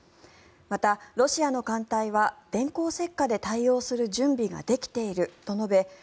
また、ロシアの艦隊は電光石火で対応する準備ができていると述べ